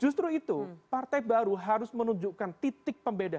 justru itu partai baru harus menunjukkan titik pembeda